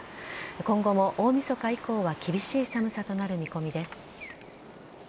今後も大みそか以降は厳しい寒さとなる見込みです。